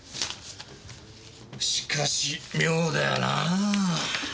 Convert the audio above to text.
しかし妙だよなあ。